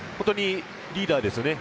リーダーですよね。